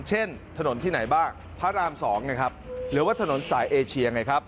ถนนที่ไหนบ้างพระราม๒ไงครับหรือว่าถนนสายเอเชียไงครับ